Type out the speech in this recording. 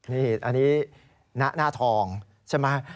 นี่อันนี้หน้าทองใช่ไหม